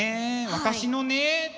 私のね